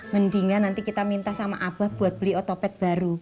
mendingan nanti kita minta sama abah buat beli otopet baru